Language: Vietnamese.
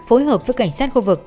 phối hợp với cảnh sát khu vực